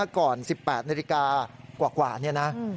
ก่อน๑๘นาฬิกากว่านี่นะ